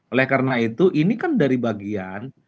oleh karena itu ini kan dari bagian